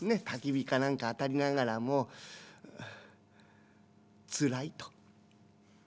たき火か何か当たりながらもう「つらい」と。